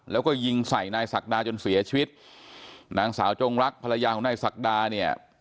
แล้วก็ยิงใส่นายศักดาจนเสียชีวิตนางสาวจงรักภรรยาของนายศักดาเนี่ย